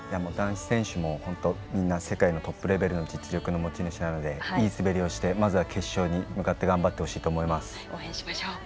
男子選手もみんな世界のトップレベルの実力の持ち主なのでいい滑りをして決勝に向かって頑張ってほしいと思います。